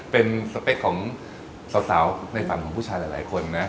เป็นสเปคของสาวในฝั่งของผู้ชายหลายคนนะ